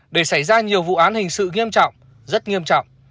để xảy ra nhiều vụ án hình sự nghiêm trọng rất nghiêm trọng